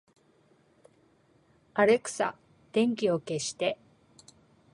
アレクサ、電気を消して